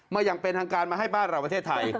อย่างเป็นทางการมาให้บ้านเราประเทศไทย